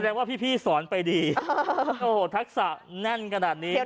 แสดงว่าพี่สอนไปดีโอ้โฮทักษะแน่นกระดาษนี้แหละ